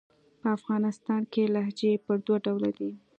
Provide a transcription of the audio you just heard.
په افغانستان کښي لهجې پر دوه ډوله دي.